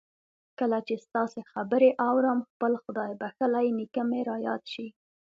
کله چې ستاسې خبرې آورم خپل خدای بخښلی نېکه مې را یاد شي